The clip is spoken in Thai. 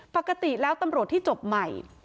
ปกติแล้วตำรวจที่จบใหม่